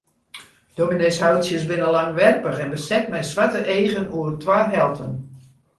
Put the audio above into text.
Dominyshoutsjes binne langwerpich en beset mei swarte eagen oer twa helten.